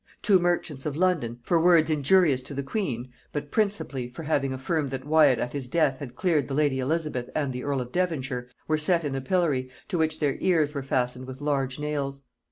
Two merchants of London, for words injurious to the queen, but principally for having affirmed that Wyat at his death had cleared the lady Elizabeth and the earl of Devonshire, were set in the pillory, to which their ears were fastened with large nails.